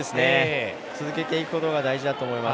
続けていくことが大事だと思います。